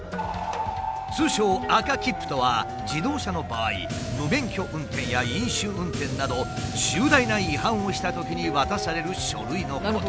通称「赤切符」とは自動車の場合無免許運転や飲酒運転など重大な違反をしたときに渡される書類のこと。